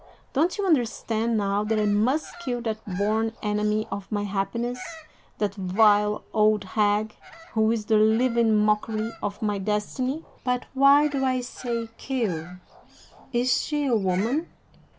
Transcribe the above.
Don't you understand, now, that I must kill that born enemy of my happiness, that vile old hag, who is the living mockery of my destiny? "'But why do I say kill? Is she a woman?